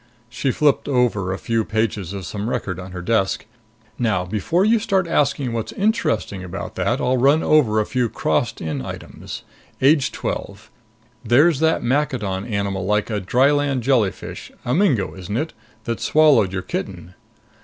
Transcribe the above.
She flipped over a few pages of some record on her desk. "Now before you start asking what's interesting about that, I'll run over a few crossed in items. Age twelve. There's that Maccadon animal like a dryland jellyfish a mingo, isn't it? that swallowed your kitten."